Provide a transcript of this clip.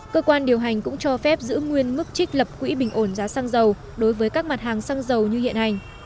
cơ quan điều hành cũng cho phép giữ nguyên mức trích lập quỹ bình ổn giá xăng dầu đối với các mặt hàng xăng dầu như hiện hành